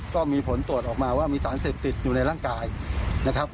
ก็มีผลตรวจออกมาว่ามีสารเสพติดอยู่ในร่างกายนะครับ